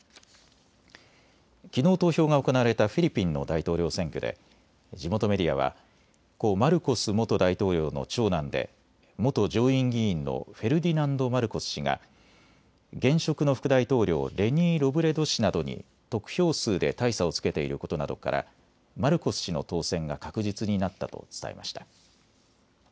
きのう投票が行われたフィリピンの大統領選挙で地元メディアは故マルコス元大統領の長男で元上院議員のフェルディナンド・マルコス氏が、現職の副大統領、レニー・ロブレド氏などに得票数で大差をつけていることなどからマルコス氏の当選が確実になったと伝えました。